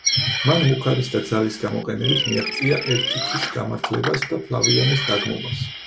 მან მუქარის და ძალის გამოყენებით მიაღწია ევტიქის გამართლებას და ფლავიანეს დაგმობას.